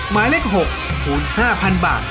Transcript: หมายเลข๖คูณ๕๐๐๐บาท